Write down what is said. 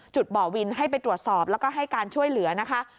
บ่อวินให้ไปตรวจสอบแล้วก็ให้การช่วยเหลือนะคะ